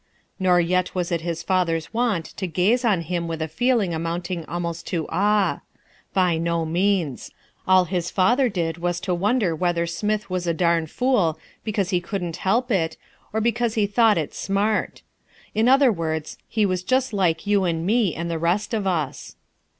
Nor yet was it his father's wont to gaze on him with a feeling amounting almost to awe. By no means! All his father did was to wonder whether Smith was a darn fool because he couldn't help it, or because he thought it smart. In other words, he was just like you and me and the rest of us.